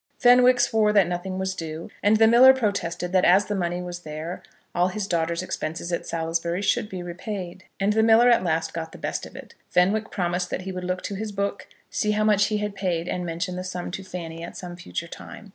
Fenwick swore that nothing was due, and the miller protested that as the money was there all his daughter's expenses at Salisbury should be repaid. And the miller at last got the best of it. Fenwick promised that he would look to his book, see how much he had paid, and mention the sum to Fanny at some future time.